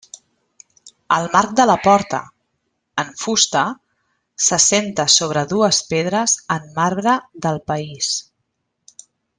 El marc de la porta, en fusta, s'assenta sobre dues pedres en marbre del país.